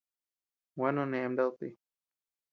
Gua none mnadu ti.